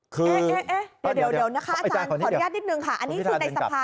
เดี๋ยวให้ขออนุญาตนิดนึงอันนี้คือในสะพาน